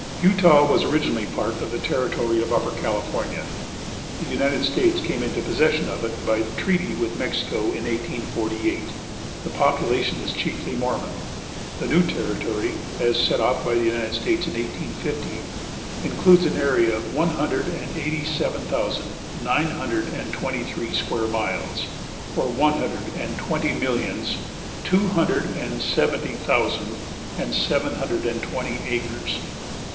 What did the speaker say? Utah was originally part of the territory of Upper California. The United States came into possession of it by treaty with Mexico in 1848. The population is chiefly Mormon. The new territory, as set off by the United States in 1850, includes an area of one hundred and eighty seven thousand, nine hundred and twenty three square miles, or one hundred and twenty millions, two hundred and seventy thousand and seven hundred and twenty acres.